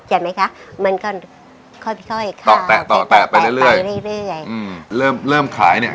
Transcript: เห็นไหมคะมันก็ค่อยต่อแตะต่อแตะไปเรื่อยอืมเริ่มเริ่มขายเนี้ย